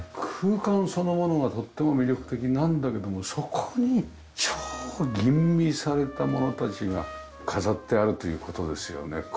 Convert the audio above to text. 空間そのものがとっても魅力的なんだけどもそこに超吟味されたものたちが飾ってあるという事ですよね。